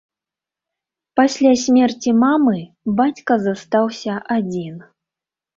Пасля смерці мамы бацька заставаўся адзін.